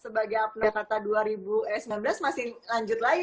sebagai abno jakarta dua ribu sembilan belas masih lanjut lagi